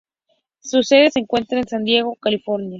Su sede se encuentra en San Diego, California.